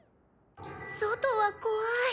外は怖い。